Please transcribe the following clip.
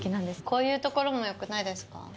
こいうところも良くないですか？